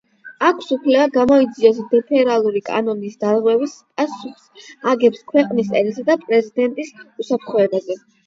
აქვს უფლება გამოიძიოს ფედერალური კანონის დარღვევები, პასუხს აგებს ქვეყნის, ერისა და პრეზიდენტის უსაფრთხოებაზე.